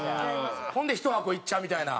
ほんで１箱いっちゃうみたいな。